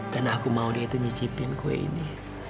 karena aku mau dia itu nyicipin kue ini